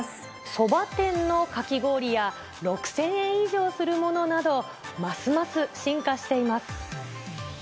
そば店のかき氷や、６０００円以上するものなど、ますます進化しています。